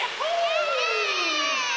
イエーイ！